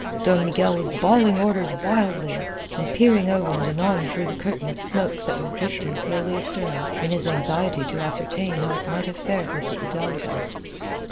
Don Miguel was bawling orders wildly, and peering ever and anon through the curtain of smoke that was drifting slowly astern, in his anxiety to ascertain how it might have fared with the Hidalga.